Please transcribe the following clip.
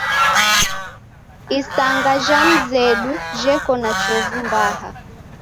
Isanga jha mzedu jheko na chovu mbaha.